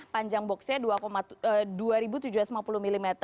panjang boxnya dua tujuh ratus lima puluh mm